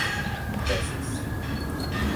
peças